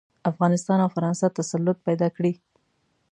افغانستان او فرانسه تسلط پیدا کړي.